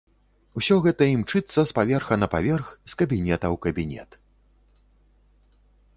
Усё гэта імчыцца з паверха на паверх, з кабінета ў кабінет.